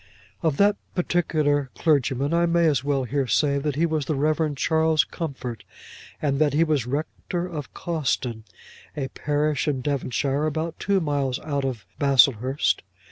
Of that particular clergyman, I may as well here say that he was the Rev. Charles Comfort, and that he was rector of Cawston, a parish in Devonshire, about two miles out of Baslehurst.